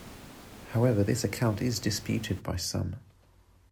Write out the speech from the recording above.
However this account is disputed by some.